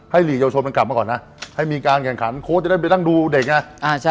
หลีกเยาวชนมันกลับมาก่อนนะให้มีการแข่งขันโค้ชจะได้ไปนั่งดูเด็กไง